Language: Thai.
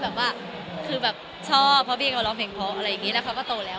ชอบเพราะพี่เค้าร้องเพลงเพราะเพราะเขาก็โดรน้อยแล้ว